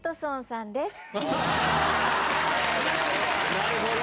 なるほど！